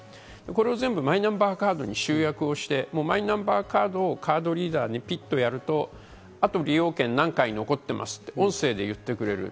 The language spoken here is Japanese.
これを全部マイナンバーカードに集約をして、マイナンバーカードをカードリーダーにピッとやると、あと利用券が何回残ってますと音声で言ってくれる。